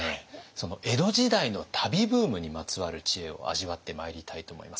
その江戸時代の旅ブームにまつわる知恵を味わってまいりたいと思います。